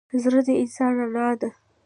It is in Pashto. زړه د انسان رڼا ده.